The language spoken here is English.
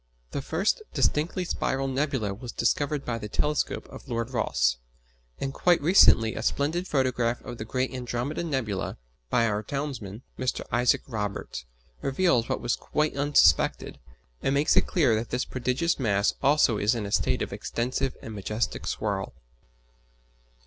The first distinctly spiral nebula was discovered by the telescope of Lord Rosse; and quite recently a splendid photograph of the great Andromeda nebula, by our townsman, Mr. Isaac Roberts, reveals what was quite unsuspected and makes it clear that this prodigious mass also is in a state of extensive and majestic whirl.